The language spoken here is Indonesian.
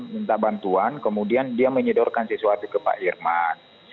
minta bantuan kemudian dia menyedorkan sesuatu ke pak irman